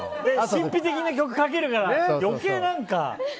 神秘的な曲をかけるから余計何か。